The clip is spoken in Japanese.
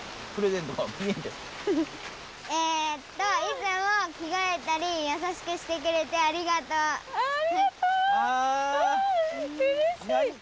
えとありがとう。